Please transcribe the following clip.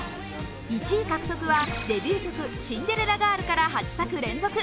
１位獲得はデビュー曲「シンデレラガール」から８作連続。